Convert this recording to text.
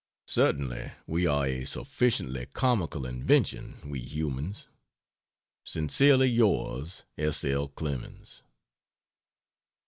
Certainly we are a sufficiently comical invention, we humans. Sincerely Yours, S. L. CLEMENS.